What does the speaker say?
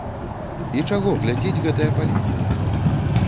І чаго глядзіць гэтая паліцыя!